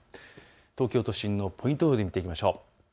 東京都心のポイント予報で見ていきましょう。